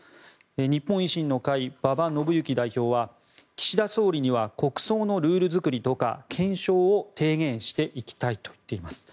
日本維新の会、馬場伸幸代表は岸田総理には国葬のルール作りとか検証を提言していきたいと言っています。